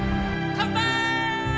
乾杯！